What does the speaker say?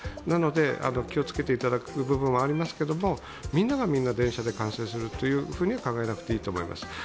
なので、気をつけていただく部分はありますけれどもみんながみんな電車で感染すると考えなくてもいいと思います。